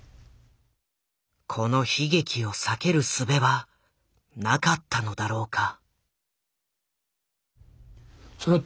この悲劇を避けるすべはなかったのだろうか。